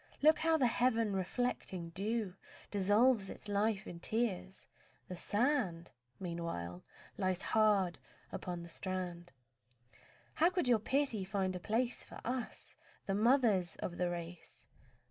Look how the heaven reflecting dew Dissolves its life in tears. The sand Meanwhile lies hard upon the strand. How could your pity find a place For us, the mothers of the race?